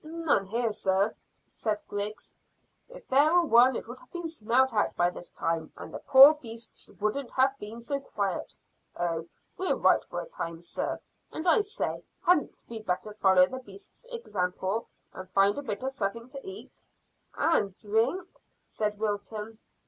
"None here, sir," said Griggs. "If there were one it would have been smelt out by this time, and the poor beasts wouldn't have been so quiet. Oh, we're right for a time, sir; and, I say, hadn't we better follow the beasts' example and find a bit of something to eat?" "And drink?" said Wilton.